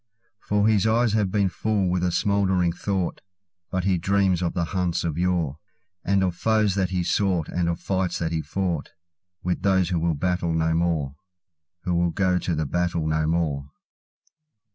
For his eyes have been full with a smouldering thought; But he dreams of the hunts of yore, And of foes that he sought, and of fights that he foughtWith those who will battle no more—Who will go to the battle no more.